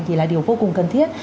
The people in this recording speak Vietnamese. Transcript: thì là điều vô cùng cần thiết